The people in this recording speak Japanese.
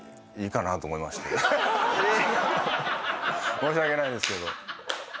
申し訳ないですけど。